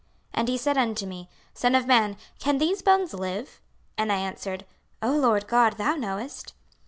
26:037:003 And he said unto me, Son of man, can these bones live? And I answered, O Lord GOD, thou knowest.